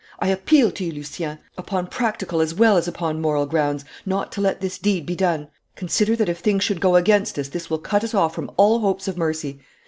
'I appeal to you, Lucien, upon practical as well as upon moral grounds, not to let this deed be done. Consider that if things should go against us this will cut us off from all hopes of mercy.